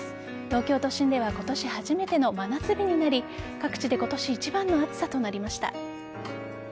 東京都心では今年初めての真夏日になり各地で今年一番の暑さとなりました。